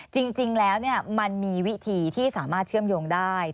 จริงแล้วมันมีวิธีที่สามารถเชื่อมโยงได้